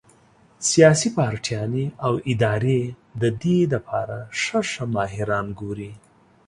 سياسي پارټيانې او ادارې د دې د پاره ښۀ ښۀ ماهران ګوري